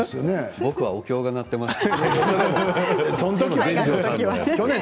僕はお経が鳴っていました。